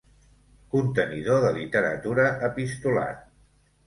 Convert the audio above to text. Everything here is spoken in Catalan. Contenidor de literatura epistolar.